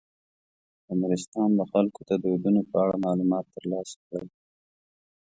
د نورستان د خلکو د دودونو په اړه معلومات تر لاسه کړئ.